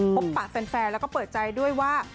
ปุ๊บปากแฟนแล้วก็เปิดใจด้วยว่า